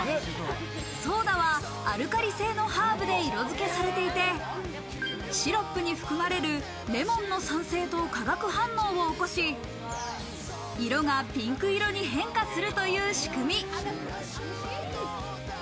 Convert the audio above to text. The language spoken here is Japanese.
ソーダはアルカリ性のハーブで色付けされていて、シロップに含まれるレモンの酸性と化学反応を起こし色がピンク色に変化するという仕組み。